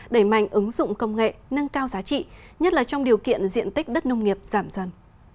đẩy mạnh ứng dụng công nghệ nâng cao giá trị nhất là trong điều kiện diện tích đất nông nghiệp giảm dần